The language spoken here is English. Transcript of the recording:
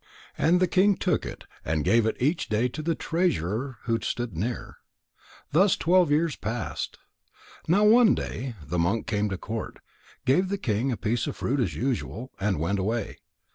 And the king took it and gave it each day to the treasurer who stood near. Thus twelve years passed. Now one day the monk came to court, gave the king a piece of fruit as usual, and went away.